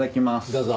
どうぞ。